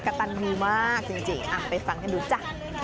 กระตันยูมากจริงไปฟังกันดูจ้ะ